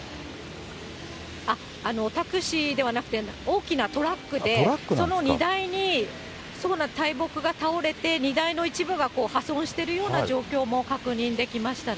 タクシーではなくて、大きなトラックで、その荷台に大木が倒れて、荷台の一部が破損しているような状況も確認できましたね。